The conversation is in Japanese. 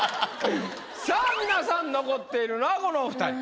さぁ皆さん残っているのはこのお２人。